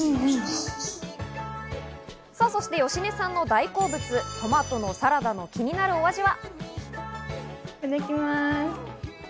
そして芳根さんの大好物トマトのサラダも気になるお味は。